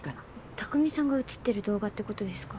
卓海さんが映ってる動画ってことですか？